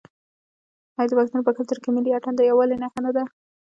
آیا د پښتنو په کلتور کې ملي اتن د یووالي نښه نه ده؟